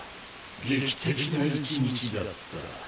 劇的な１日だった！